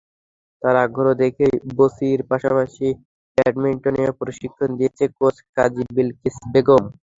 তাঁর আগ্রহ দেখেই বচির পাশাপাশি ব্যাডমিন্টনেও প্রশিক্ষণ দিয়েছেন কোচ কাজী বিলকিস বেগম।